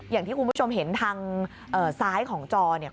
อย่างที่คุณผู้ชมเห็นทางซ้ายของจอเนี่ย